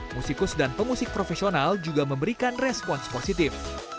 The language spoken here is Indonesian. musikus dan pemusik profesional juga memberikan respons positif